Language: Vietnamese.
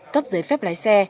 cấp giấy phép lái xe